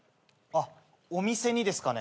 あっお店にですかね？